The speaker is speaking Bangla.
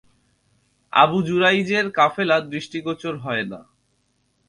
আবু যুরাইযের কাফেলা দৃষ্টিগোচর হয় না।